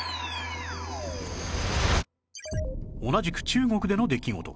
同じく中国での出来事